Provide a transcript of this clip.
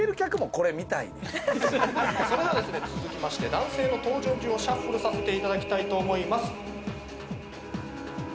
それではですね続きまして男性の登場順をシャッフルさせていただきたいと思います。